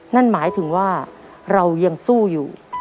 นั่นหมายถึงว่าเรายังสู้อยู่